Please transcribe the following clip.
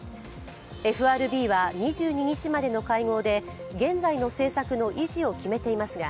ＦＲＢは２２日までの会合で、現在の政策の維持を決めていますが